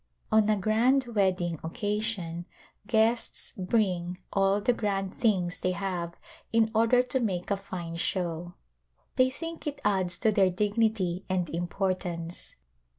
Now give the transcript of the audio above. On a grand wedding occasion guests bring all the grand things they have in order to make a fine show. They think it adds to their dignity and importance.